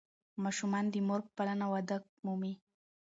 ماشومان د مور په پالنه وده مومي.